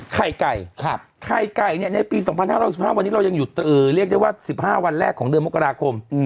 ไข่ไก่ไข่ไก่ในปี๒๕๑๕วันนี้เรายังหยุดเรียกได้ว่า๑๕วันแรกของเดือนมกราคม